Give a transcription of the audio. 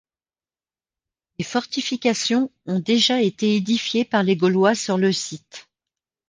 Des fortifications ont déjà été édifiées par les Gaulois sur le site.